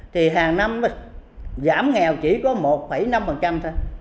thì hàng năm giảm nghèo chỉ có một năm thôi